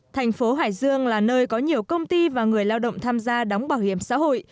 thành phố hải dương là nơi có nhiều công ty và người lao động tham gia đóng bảo hiểm xã hội